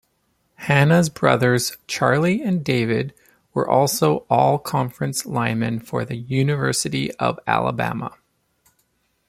Hannah's brothers Charley and David were also All-Conference linemen for the University of Alabama.